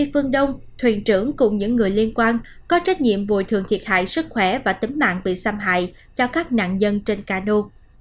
phương đông thuyền trưởng cùng những người liên quan có trách nhiệm bồi thường thiệt hại sức khỏe và tính mạng bị xâm hại cho các nạn nhân trên cano